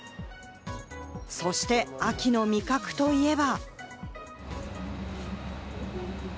そして秋の味覚といえば。